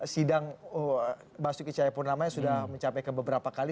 sidang basuki cahayapurnama yang sudah mencapai ke beberapa kali